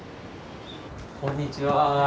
こんにちは。